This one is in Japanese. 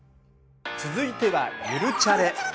続いては「ゆるチャレ」。